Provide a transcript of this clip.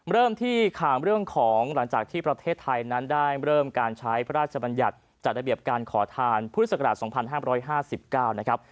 เริ่มที่ข่าวเรื่องของหลังจากที่ประเทศไทยนั้นได้เริ่มการใช้พระราชบัญญัติจัดระเบียบการขอทานภูติศักราชสองพันห้าร้อยห้าสิบเก้านะครับ